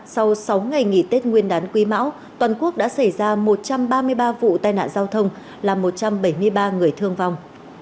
sau sáu ngày nghỉ tết nguyên đán quý mão toàn quốc đã xảy ra một trăm ba mươi ba vụ tai nạn giao thông làm một trăm bảy mươi ba người thương vong